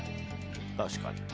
確かに。